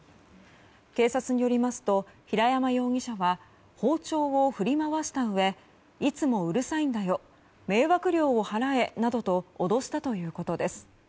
警察によりますと平山容疑者は包丁を振り回したうえいつもうるさいんだよ迷惑料を払えなどと脅したということです。